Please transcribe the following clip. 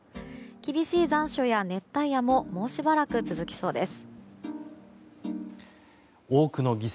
厳しい残暑や熱帯夜ももうしばらく続きそうです。